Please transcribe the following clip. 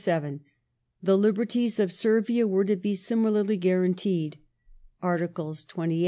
vii. The liberties of Servia were to be similarly guaranteed. (Arts, xxviii.